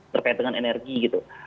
terkait dengan energi gitu